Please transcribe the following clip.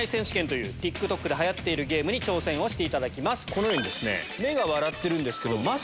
このようにですね。